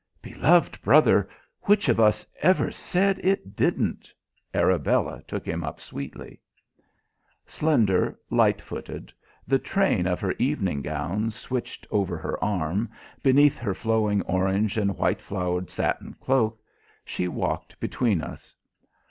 "Beloved brother, which of us ever said it didn't?" Arabella took him up sweetly. Slender, light footed, the train of her evening gown switched over her arm, beneath her flowing orange and white flowered satin cloak, she walked between us.